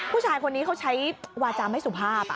ผู้ชายคนนี้เขาใช้วาจาไม่สุภาพ